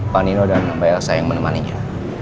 pak nino dan mbak elsa yang menemani dia